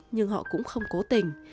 nhưng họ cũng không cố tình